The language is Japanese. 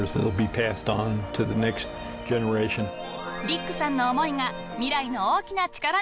［リックさんの思いが未来の大きな力に］